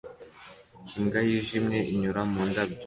Imbwa yijimye inyura mu ndabyo